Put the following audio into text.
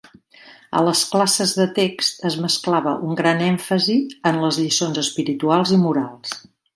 A les classes de text es mesclava un gran èmfasi en les lliçons espirituals i morals.